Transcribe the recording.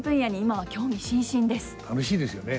楽しいですよね。